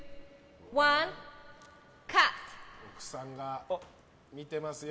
奥さんが見てますよ！